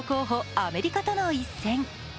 アメリカとの一戦。